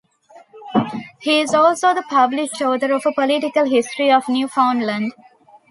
He is also the published author of a political history of Newfoundland.